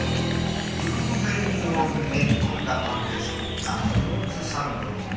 「ブルーベリーを練り込んだパンで作ったフルーツサンドのお店。